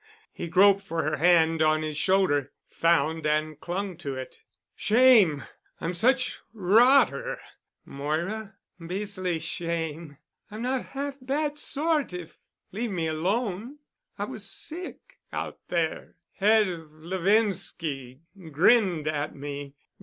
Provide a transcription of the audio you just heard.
He groped for her hand on his shoulder, found and clung to it. "Shame I'm such rotter, Moira. Beas'ly shame. I'm not half bad sort if leave me 'lone. I was sick—out there. Head of Levinski—grinned at me.